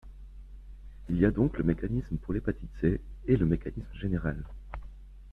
Il y a donc le mécanisme pour l’hépatite C et le mécanisme général.